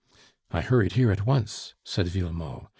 "I hurried here at once," said Villemot.